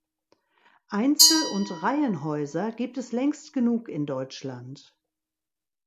Einzel- und Reihenhäuser gibt es längst genug in Deutschland.